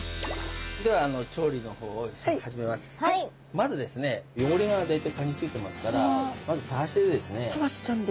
まずですね汚れが大体カニついてますからまずたわしでですね